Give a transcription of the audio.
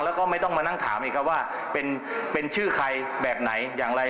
แล้วก็ไม่ต้องมานั่งถามอีกครับว่าเป็นชื่อใครแบบไหนอย่างไร